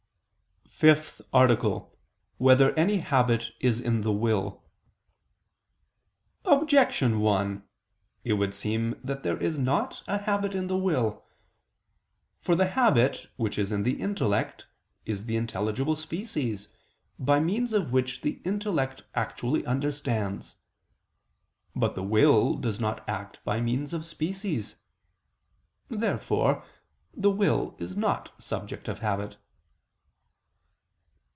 ________________________ FIFTH ARTICLE [I II, Q. 50, Art. 5] Whether Any Habit Is in the Will? Objection 1: It would seem that there is not a habit in the will. For the habit which is in the intellect is the intelligible species, by means of which the intellect actually understands. But the will does not act by means of species. Therefore the will is not the subject of habit.